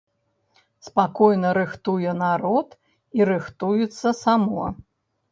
Спакойна рыхтуе народ і рыхтуецца само.